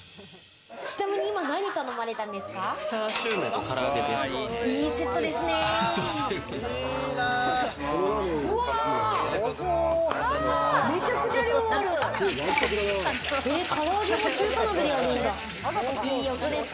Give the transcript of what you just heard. ちなみに今何頼まれたんですか？